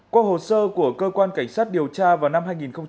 qua hồ sơ của cơ quan cảnh sát điều tra vào năm hai nghìn một mươi